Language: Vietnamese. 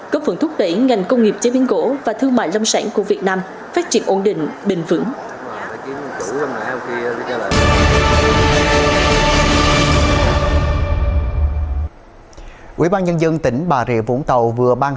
cấp phần thúc đẩy ngành công nghiệp chế biến gỗ và thương mại lâm sản của việt nam phát triển ổn định bình vững